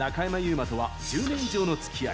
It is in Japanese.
馬とは１０年以上のつきあい。